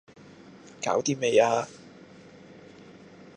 搞掂未呀